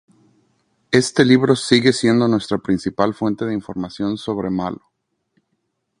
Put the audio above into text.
Este libro sigue siendo nuestra principal fuente de información sobre Malo.